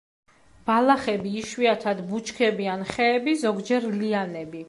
ბალახები, იშვიათად ბუჩქები ან ხეები, ზოგჯერ ლიანები.